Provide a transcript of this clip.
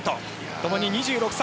ともに２６歳。